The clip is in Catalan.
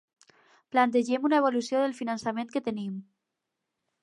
Plantegem una evolució del finançament que tenim.